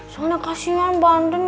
soalnya kasian banten